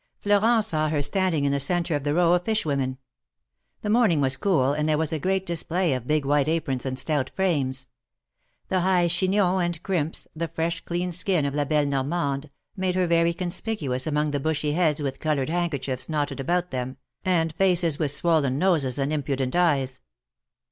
Florent saw her standing in the centre of the row of fish women. The morning was cool, and there was a great display of big white aprons and stout frames. The high chignon and crimps, the fresh clean skin of la belle Normande, made her very conspicuous among the bushy heads with colored handkerchiefs knotted about them, and faces with swollen noses and impudent eyes.